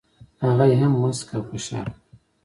هغه یې هم مسک او خوشال کړ.